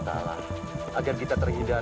kok kamu malah tidur